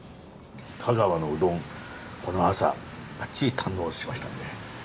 香川のうどんこの朝ばっちり堪能しましたんで。